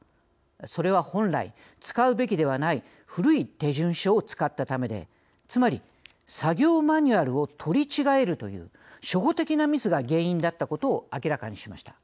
それは本来、使うべきではない古い手順書を使ったためでつまり、作業マニュアルを取り違えるという初歩的なミスが原因だったことを明らかにしました。